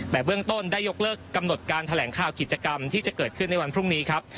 แต่เบื้องต้นได้ยกเลิกกำหนดการแถลงข่าวกิจกรรมที่จะเกิดขึ้นในวันพรุ่งนี้ครับ